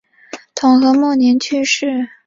统和末年去世。